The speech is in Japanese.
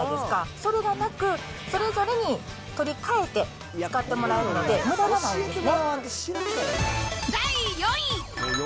それがなく、それぞれに取り替えて、使ってもらえるので、むだがないんですね